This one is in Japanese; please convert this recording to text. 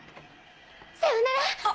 さよなら！